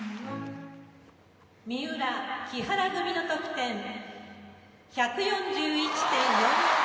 三浦、木原組の得点１４１．４４！